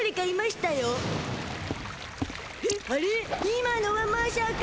今のはましゃか？